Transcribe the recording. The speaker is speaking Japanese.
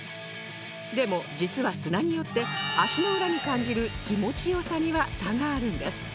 でも実は砂によって足の裏に感じる気持ち良さには差があるんです